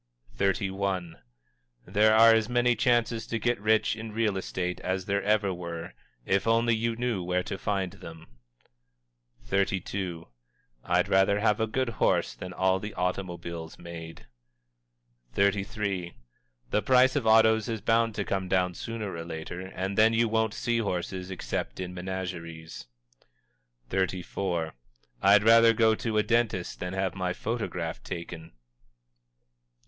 XXXI. "There are as many chances to get rich in real estate as there ever were if you only knew where to find them." XXXII. "I'd rather have a good horse than all the automobiles made." XXXIII. "The price of autos is bound to come down sooner or later, and then you won't see horses except in menageries." XXXIV. "_I'd rather go to a dentist than have my photograph taken.